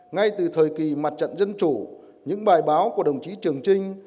ngay từ thời kỳ mặt trận dân chủ những bài báo của đồng chí trường trinh